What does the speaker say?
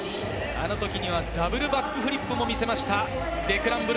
あの時にはダブルバックフリップも見せました。